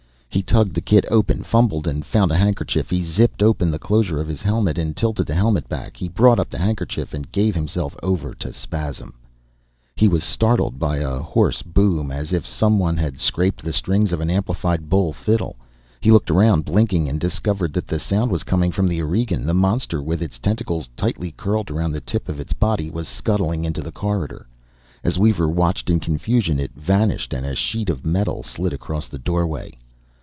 He tugged the kit open, fumbled and found a handkerchief. He zipped open the closure of his helmet and tilted the helmet back. He brought up the handkerchief, and gave himself over to the spasm. He was startled by a hoarse boom, as if someone had scraped the strings of an amplified bull fiddle. He looked around, blinking, and discovered that the sound was coming from the Aurigean. The monster, with its tentacles tightly curled around the tip of its body, was scuttling into the corridor. As Weaver watched in confusion, it vanished, and a sheet of metal slid across the doorway.